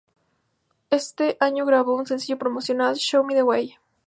Ese año grabó un sencillo promocional, "Show Me The Way".